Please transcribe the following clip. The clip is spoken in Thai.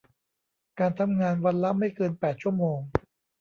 การทำงานวันละไม่เกินแปดชั่วโมง